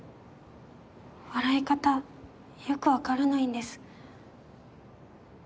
笑い方よく分からないんです。